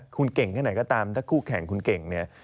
คุณเก่งแค่ไหนก็ตามถ้าคู่แข่งคุณเก่งเนี่ย